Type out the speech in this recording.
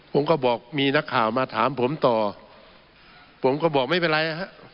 ผมก็บอกมีนักข่าวมาถามผมต่อผมก็บอกไม่เป็นไรนะฮะ